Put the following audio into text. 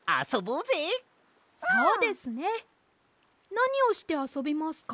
なにをしてあそびますか？